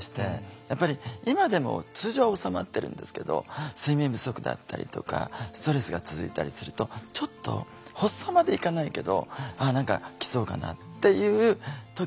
やっぱり今でも通常は治まってるんですけど睡眠不足だったりとかストレスが続いたりするとちょっと発作までいかないけど「あっ何か来そうかな」っていう時は来るんですよね。